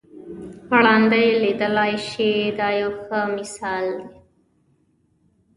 ړانده یې لیدلای شي دا یو ښه مثال دی.